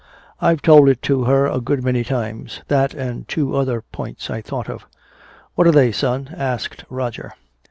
"I've told it to her a good many times that and two other points I thought of." "What are they, son?" asked Roger.